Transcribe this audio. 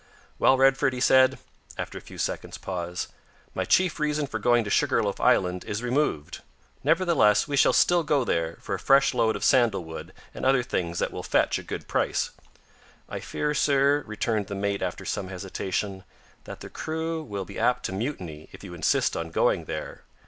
"Well, Redford," he said, after a few seconds' pause, "my chief reason for going to Sugar loaf Island is removed, nevertheless we shall still go there for a fresh load of sandal wood and other things that will fetch a good price." "I fear, sir," returned the mate after some hesitation, "that the crew will be apt to mutiny, if you insist on going there.